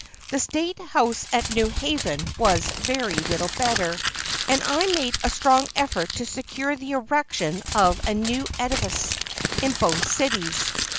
The State House at New Haven was very little better, and I made a strong effort to secure the erection of new edifices in both cities.